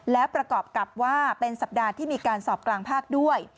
และประกอบกับว่าเป็นสัปดาห์ที่มีการสอบกลางภาคด้วย